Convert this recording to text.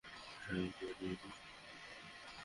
এটা আপনার রুম।